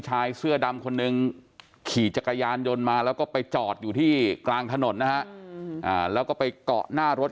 เอ้าเอ้าเอ้าเอ้าไปถึงรถเข้าไอ้อันนี้